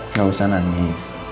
nggak usah nangis